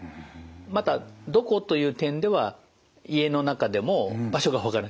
また「どこ」という点では家の中でも場所がわからない。